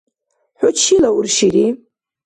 ХӀу чила уршири?